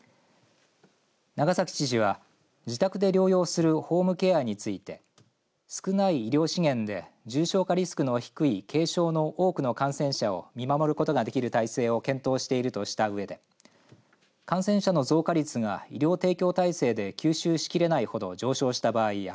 長崎知事は自宅で療養するホームケアについて少ない医療資源で重症化リスクの低い軽症の多くの感染者を見守ることができる体制を検討しているとしたうえで感染者の増加率が医療提供体制で吸収しきれないほど上昇した場合や